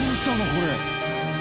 これ。